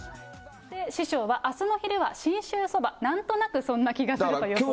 師匠はあすの昼は信州そば、なんとなくそんな気がすると予想しています。